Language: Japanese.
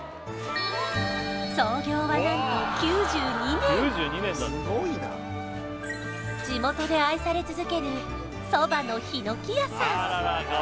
創業は何と９２年地元で愛され続けるそばのひの木家さん